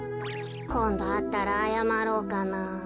こんどあったらあやまろうかな。